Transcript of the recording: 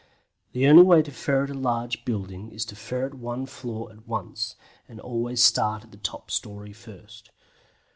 The only way to ferret a large building is to ferret one floor at once, and always start at the top storey first.